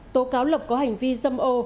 tố cáo lộc có hành vi dâm ô